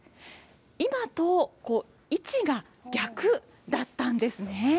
今と位置が逆だったんですね。